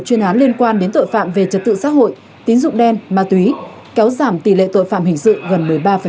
chuyên án liên quan đến tội phạm về trật tự xã hội tín dụng đen ma túy kéo giảm tỷ lệ tội phạm hình sự gần một mươi ba